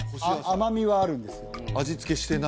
甘みはあるんです